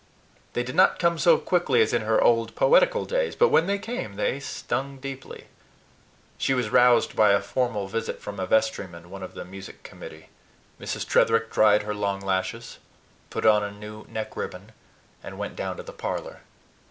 They did not come so quickly as in her old poetical days; but when they came they stung deeply. She was roused by a formal visit from a vestryman one of the music committee. Mrs. Tretherick dried her long lashes, put on a new neck ribbon, and went down to the parlor.